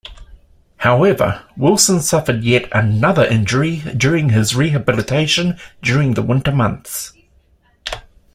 However, Wilson suffered yet another injury during his rehabilitation during the winter months.